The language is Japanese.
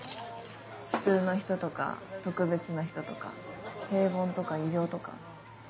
普通の人とか特別な人とか平凡とか異常とか。